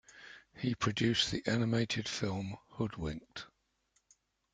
He produced the animated film Hoodwinked!